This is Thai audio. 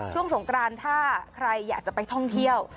สงกรานถ้าใครอยากจะไปท่องเที่ยว